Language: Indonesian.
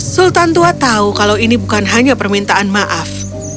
sultan tua tahu kalau ini bukan hanya permintaan maaf